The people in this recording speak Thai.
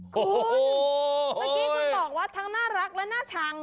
เมื่อกี้คุณบอกว่าทั้งน่ารักและน่าชัง